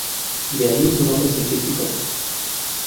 De ahí su nombre científico.